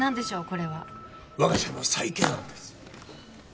これは我が社の再建案です